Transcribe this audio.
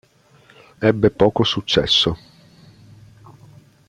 Ebbe poco successo.